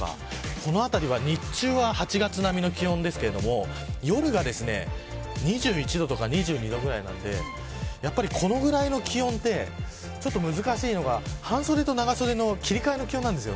この辺りは日中は８月並みの気温ですが夜が２１度とか２２度ぐらいなのでやっぱり、このぐらいの気温で難しいのが半袖と長袖の切り替えの気温なんです。